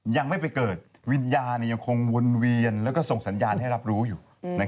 ยังไม่ไปเกิดวิญญาณยังคงวนเวียนแล้วก็ส่งสัญญาณให้รับรู้อยู่